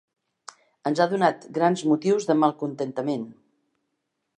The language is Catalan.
Ens ha donat grans motius de malcontentament.